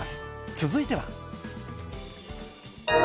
続いては。